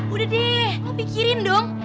udah deh mau pikirin dong